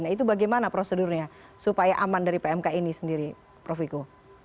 nah itu bagaimana prosedurnya supaya aman dari pmk ini sendiri prof wiku